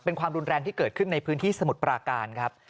เป็นความรุนแรงที่เกิดขึ้นในพื้นที่สมุทรปราการครับ